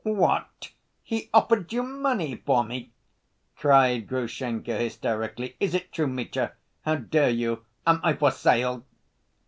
"What? He offered you money for me?" cried Grushenka, hysterically. "Is it true, Mitya? How dare you? Am I for sale?"